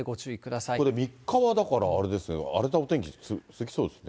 これ、３日はだから、あれですね、荒れたお天気続きそうですね。